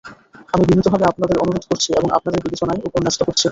আমি বিনীতভাবে আপনাদের অনুরোধ করছি এবং আপনাদের বিবেচনায় ওপর ন্যস্ত করছি।